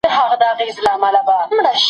کله چې یوه ژبه په ښار کې نه لیدل کېږي،